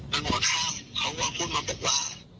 ด้วยรถผ่านนะคะ